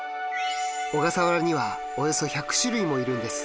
小笠原にはおよそ１００種類もいるんです。